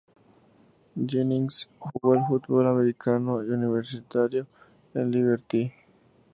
Jennings jugó al fútbol americano universitario en Liberty.